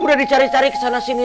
udah dicari cari kesana sini